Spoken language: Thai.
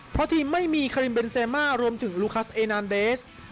เพราะทีมไม่มีคาริมเบนเซมารวมถึงลูคัสเอนานเดส